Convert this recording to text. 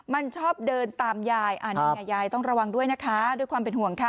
มันชอบเดินตามยายอันนี้ไงยายต้องระวังด้วยนะคะด้วยความเป็นห่วงค่ะ